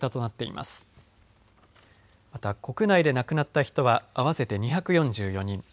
また国内で亡くなった人は合わせて２４４人。